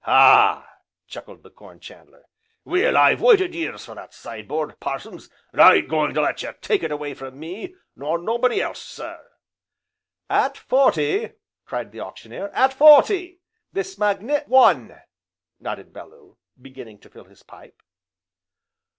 "Ah!" chuckled the Corn chandler, "well, I've waited years for that side board, Parsons, and I ain't going to let you take it away from me nor nobody else, sir!" "At forty!" cried the Auctioneer, "at forty! this magnifi " "One!" nodded Bellew, beginning to fill his pipe.